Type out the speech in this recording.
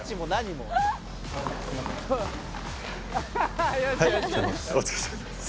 はいお疲れさまです